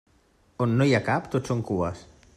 On no hi ha cap, tot són cues.